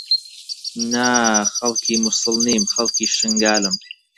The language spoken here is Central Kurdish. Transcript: نا، خەڵکی مووسڵ نیم، خەڵکی شنگالم.